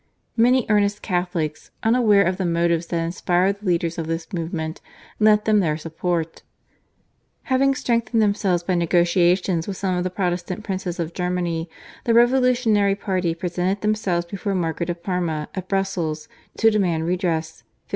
Many earnest Catholics unaware of the motives that inspired the leaders of this movement lent them their support. Having strengthened themselves by negotiations with some of the Protestant princes of Germany, the revolutionary party presented themselves before Margaret of Parma at Brussels to demand redress (1566).